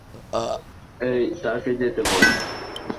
এই, তাকে যেতে বল।